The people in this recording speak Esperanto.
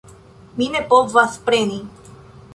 Mi ne povas preni!